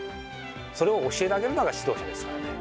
それを教えられるのが指導者ですからね。